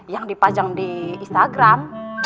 yang dipajang di instagram